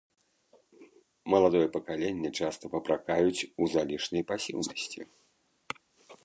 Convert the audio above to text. Маладое пакаленне часта папракаюць у залішняй пасіўнасці.